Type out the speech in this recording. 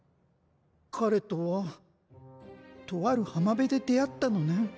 彼とはとある浜辺で出会ったのねん。